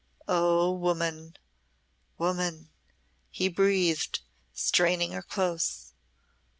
"Oh, woman! woman!" he breathed, straining her close.